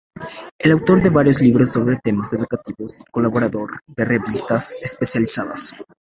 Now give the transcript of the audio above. Es autor de varios libros sobre temas educativos y colaborador de revistas especializadas.